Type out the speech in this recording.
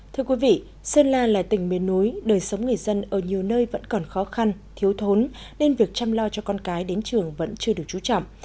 thưa quý vị sơn la là tỉnh miền núi đời sống người dân ở nhiều nơi vẫn còn khó khăn thiếu thốn nên việc chăm lo cho con cái đến trường vẫn chưa được trú trọng